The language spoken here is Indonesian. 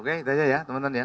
oke itu aja ya teman teman ya